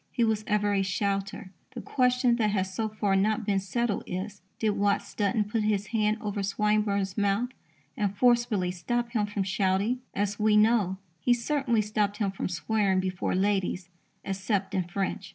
He was ever a shouter. The question that has so far not been settled is: Did Watts Dunton put his hand over Swinburne's mouth and forcibly stop him from shouting? As we know, he certainly stopped him from swearing before ladies, except in French.